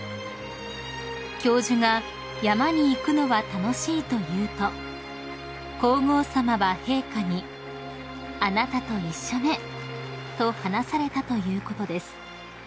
［教授が「山に行くのは楽しい」と言うと皇后さまは陛下に「あなたと一緒ね」と話されたということです］